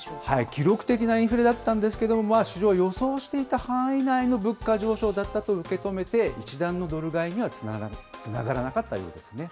記録的なインフレだったんですけれども、市場、予想していた範囲内の物価上昇だったと受け止めて、一段のドル買いにはつながらなかったようですね。